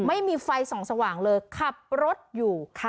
ไม่มีไฟส่องสว่างเลยขับรถอยู่ค่ะ